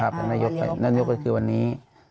จำนักงานนายกคือวันนี้